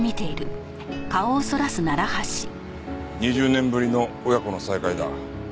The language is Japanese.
２０年ぶりの親子の再会だ。